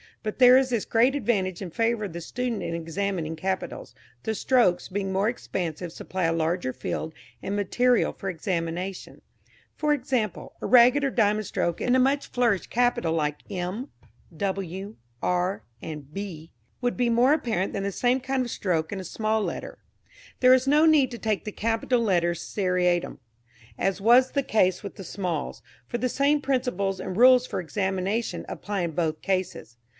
But there is this great advantage in favour of the student in examining capitals the strokes being more expansive supply a larger field and material for examination. For example, a ragged or diamond stroke in a much flourished capital like M, W, R or B would be more apparent than the same kind of stroke in a small letter. There is no need to take the capital letters seriatim, as was the case with the smalls, for the same principles and rules for examination apply in both cases.